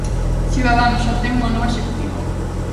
Ciudadanos xa ten unha nova executiva.